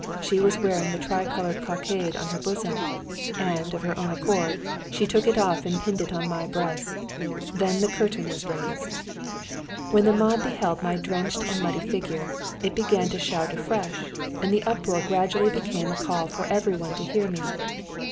She was wearing the tricoloured cockade on her bosom, and, of her own accord, she took it off and pinned it on my breast. Then the curtain was raised. [Footnote 53: Red, white, and green, the Hungarian colours.] When the mob beheld my drenched and muddy figure, it began to shout afresh, and the uproar gradually became a call for every one to hear me.